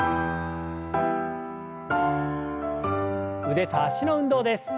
腕と脚の運動です。